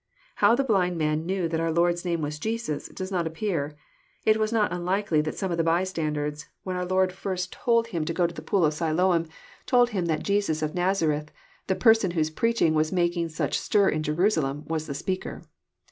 How the blind man knew that our Lord's name was "Jesus," does not appear. It is not unlikely that some of the bystanders^ when our Lord first told 148 EXFOSrrOBY THOUGHTS. him to go to the pool of Siloam, told him that Jesns of Kaza rethy the person whose preaching was making such stir in Jemsalem, was the speaker.